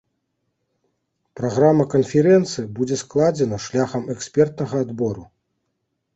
Праграма канферэнцыі будзе складзена шляхам экспертнага адбору.